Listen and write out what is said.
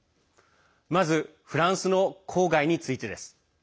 まずフランスの郊外についてです。